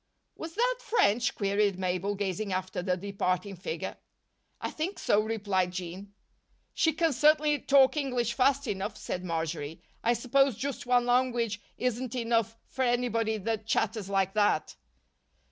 "Was that French?" queried Mabel, gazing after the departing figure. "I think so," replied Jean. "She can certainly talk English fast enough," said Marjory. "I suppose just one language isn't enough for anybody that chatters like that."